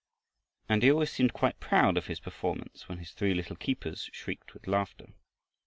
And he always seemed quite proud of his performance when his three little keepers shrieked with laughter.